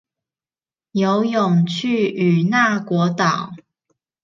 游泳去與那國島